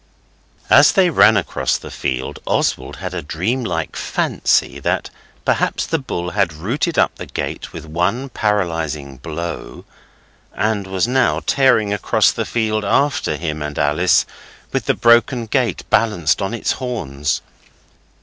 As they ran across the field Oswald had a dream like fancy that perhaps the bull had rooted up the gate with one paralysing blow, and was now tearing across the field after him and Alice, with the broken gate balanced on its horns.